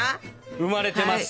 生まれてます！